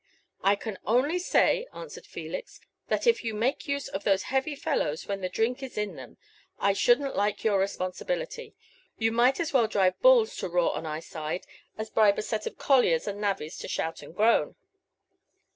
"I can only say," answered Felix, "that if you make use of those heavy fellows when the drink is in them, I shouldn't like your responsibility. You might as well drive bulls to roar on our side as bribe a set of colliers and navvies to shout and groan."